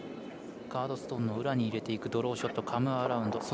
ガードストーンの裏に入れていくドローショットカム・アラウンド。